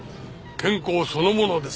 健康そのものです。